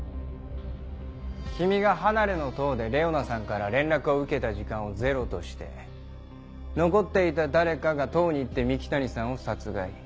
君が離れの塔でレオナさんから連絡を受けた時間をゼロとして残っていた誰かが塔に行って三鬼谷さんを殺害。